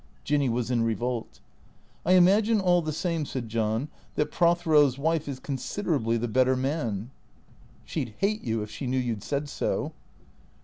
Jinny was in revolt. " I imagine all the same," said John, " that Prothero 's wife is considerably the better man." " She 'd hate you if she knew you 'd said so."